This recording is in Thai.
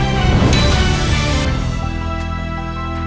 สวัสดีครับ